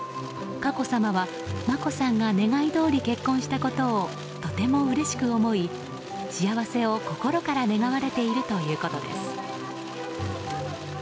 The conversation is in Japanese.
佳子さまは眞子さんが願いどおり結婚したことをとてもうれしく思い幸せを心から願われているということです。